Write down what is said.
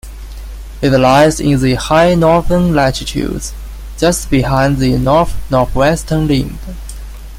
It lies in the high northern latitudes, just behind the north-northwestern limb.